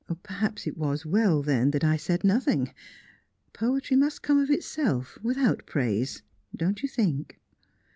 "Perhaps it was as well, then, that I said nothing. Poetry must come of itself, without praise don't you think?"